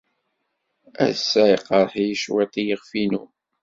Ass-a yeqreḥ-iyi cwiṭ yiɣef-inu.